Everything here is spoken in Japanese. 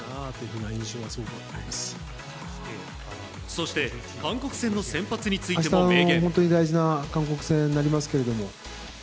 そして、韓国戦の先発についても明言。